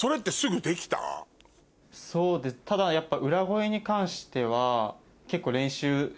そうですねただやっぱ。